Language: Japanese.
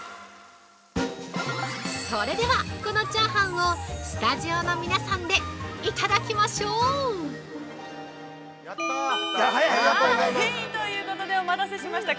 それでは、このチャーハンをスタジオの皆さんでいただきましょう！◆ということで、お待たせしました。